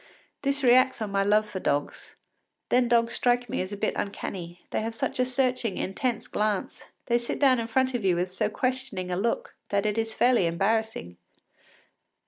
This reacts on my love for dogs. Then dogs strike me as a bit uncanny; they have such a searching, intense glance; they sit down in front of you with so questioning a look that it is fairly embarrassing.